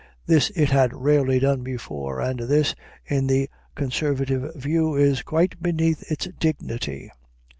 This it had rarely done before, and this, in the conservative view, is quite beneath its dignity.